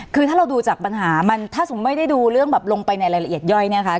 คือถ้าเราดูจากปัญหามันถ้าสมมุติไม่ได้ดูเรื่องแบบลงไปในรายละเอียดย่อยเนี่ยค่ะ